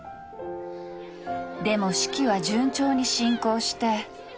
でも式は順調に進行して。